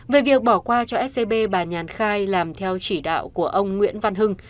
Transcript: về việc bỏ qua cho scb bà nhàn khai làm theo chỉ đạo của ông nguyễn văn hưng